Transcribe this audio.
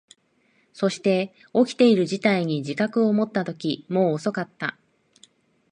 そして、起きている事態に自覚を持ったとき、もう遅かった。